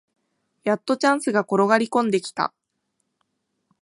やっとチャンスが転がりこんできた